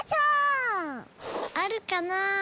あるかな？